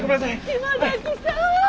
島崎さん！